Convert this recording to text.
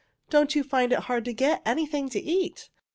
Don't you find it hard to get Anything to eat?